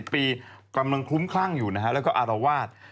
ปีกำลังคลุ้มคลั่งอยู่นะฮะแล้วก็อารวาส